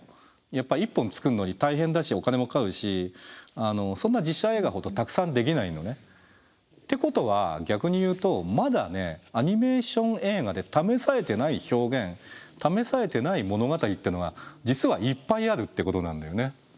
やっぱ１本作るのに大変だしお金もかかるしそんな実写映画ほどたくさんできないのね。ってことは逆に言うとまだねアニメーション映画で試されてない表現試されてない物語っていうのが実はいっぱいあるってことなんだよね。